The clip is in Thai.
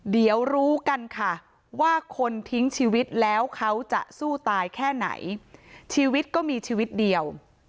เดี๋ยวรู้กันค่ะว่าคนทิ้งชีวิตแล้วเขาจะสู้ตายแค่ไหนชีวิตก็มีชีวิตเดียว